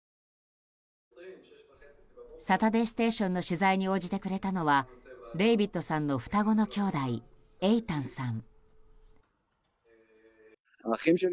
「サタデーステーション」の取材に応じてくれたのはデイビッドさんの双子の兄弟エイタンさん。